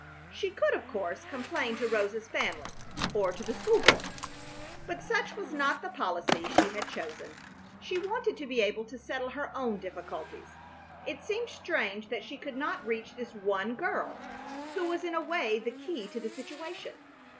She could, of course, complain to Rosa's family, or to the school board, but such was not the policy she had chosen. She wanted to be able to settle her own difficulties. It seemed strange that she could not reach this one girl who was in a way the key to the situation.